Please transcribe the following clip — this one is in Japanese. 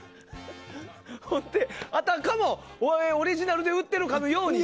あたかもオリジナルで売ってるかのように。